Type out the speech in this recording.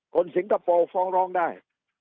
สิงคโปร์ฟ้องร้องได้